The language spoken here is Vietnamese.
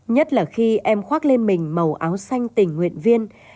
nhất là khi em khoác lên mình màu áo xanh tình nguyện viên